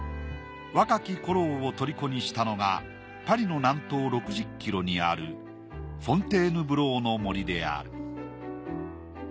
若きコローを虜にしたのがパリの南東６０キロにあるフォンテーヌブローの森である。